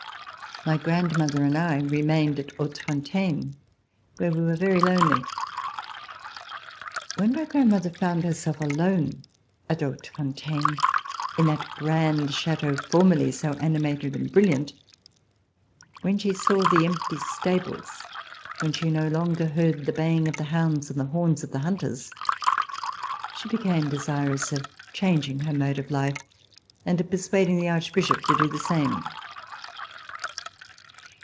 My grandmother and I remained at Hautefontaine, where we were very lonely. When my grandmother found herself alone at Hautefontaine, in that grand chateau formerly so animated and brilliant; when she saw the empty stables; when she no longer heard the baying of the hounds and the horns of the hunters, she became desirous of changing her mode of life and of persuading the Archbishop to do the same.